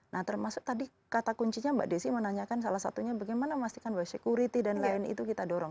nah termasuk tadi kata kuncinya mbak desi menanyakan salah satunya bagaimana memastikan bahwa security dan lain itu kita dorong